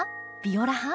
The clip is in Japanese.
ビオラ派？